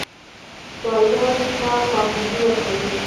سوالګر ته خواخوږي ورکوئ